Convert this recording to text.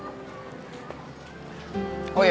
lo pake jaket gue ya